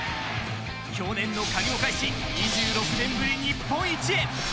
去年の借りを返し２６年ぶり日本一へ。